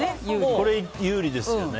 これ、有利ですよね。